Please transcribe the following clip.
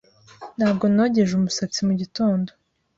Ntabwo nogeje umusatsi mugitondo.